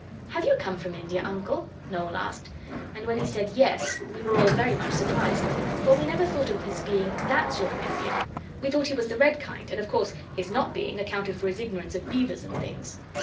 'Have you come from India, Uncle?' Noel asked; and when he said 'Yes' we were all very much surprised, for we never thought of his being that sort of Indian. We thought he was the Red kind, and of course his not being accounted for his ignorance of beavers and things.